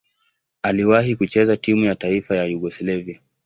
Aliwahi kucheza timu ya taifa ya Yugoslavia.